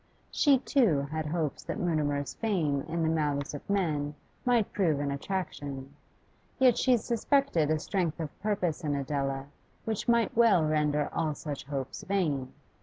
She, too, had hopes that Mutimer's fame in the mouths of men might prove an attraction, yet she suspected a strength of principle in Adela which might well render all such hopes vain.